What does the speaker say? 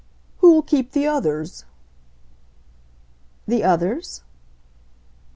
"Who'll keep the others?" "The others